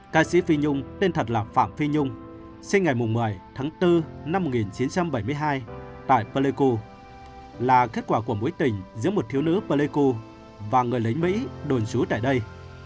ca sĩ phi nhung tên thật là phạm phi nhung sinh ngày một mươi tháng bốn năm một nghìn chín trăm bảy mươi hai tại peleco là kết quả của mối tình giữa một thiếu nữ peleco và người lính mỹ đồn trú tại đây